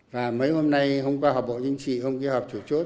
và mấy hôm nay hôm qua họp bộ chính trị ông kia họp chủ chốt